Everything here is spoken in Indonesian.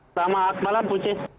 selamat malam bu cis